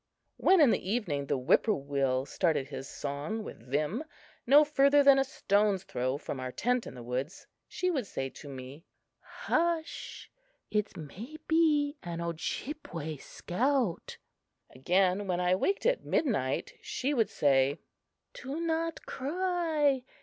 When in the evening the whippoorwill started his song with vim, no further than a stone's throw from our tent in the woods, she would say to me: "Hush! It may be an Ojibway scout!" Again, when I waked at midnight, she would say: "Do not cry!